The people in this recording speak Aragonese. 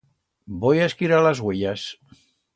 Voi a esquirar las uellas.